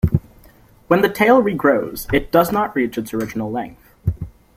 While the tail regrows, it does not reach its original length.